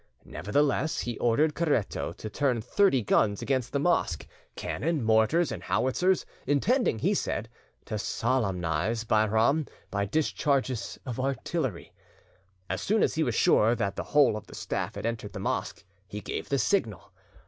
Nevertheless he ordered Caretto to turn thirty guns against the mosque, cannon, mortars and howitzers, intending, he said, to solemnise Bairam by discharges of artillery. As soon as he was sure that the whole of the staff had entered the mosque, he gave the signal.